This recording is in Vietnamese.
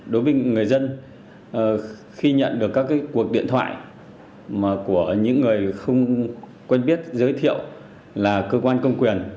đối với người dân khi nhận được các cuộc điện thoại của những người không quen biết giới thiệu là cơ quan công quyền